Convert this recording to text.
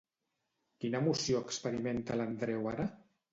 Quina emoció experimentava l'Andreu ara?